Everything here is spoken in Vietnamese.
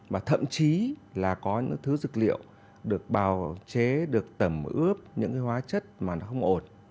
và thậm chí là có những thứ dược liệu được bào chế được tẩm ướp những cái hóa chất mà nó không ổn